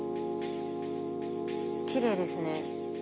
きれいですね。